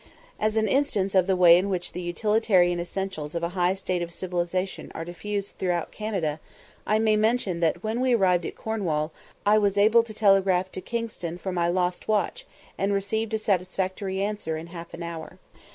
As an instance of the way in which the utilitarian essentials of a high state of civilisation are diffused throughout Canada, I may mention that when we arrived at Cornwall I was able to telegraph to Kingston for my lost watch, and received a satisfactory answer in half an hour.